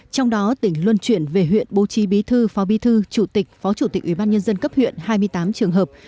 trong đó tỉnh luân chuyển về huyện bố trí bí thư phó bi thư chủ tịch phó chủ tịch ubnd cấp huyện hai mươi tám trường hợp